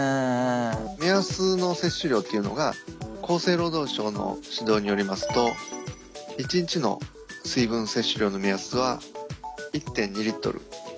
目安の摂取量っていうのが厚生労働省の指導によりますと１日の水分摂取量の目安は１．２Ｌ。